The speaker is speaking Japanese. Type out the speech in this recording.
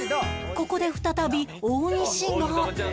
ここで再び大西が